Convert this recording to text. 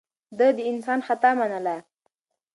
ده د انسان خطا منله.